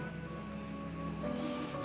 padahal mama senyum